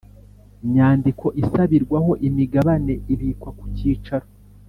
nyandiko isabirwaho imigabane ibikwa ku cyicaro